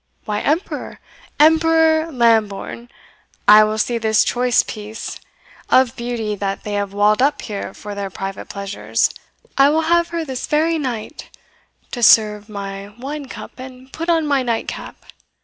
why, emperor Emperor Lambourne! I will see this choice piece of beauty that they have walled up here for their private pleasures; I will have her this very night to serve my wine cup and put on my nightcap.